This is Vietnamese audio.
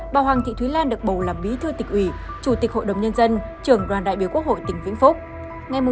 bà hoàng thị thúy lan được bầu làm bí thư tỉnh ủy chủ tịch hội đồng nhân dân trưởng đoàn đại biểu quốc hội tỉnh vĩnh phúc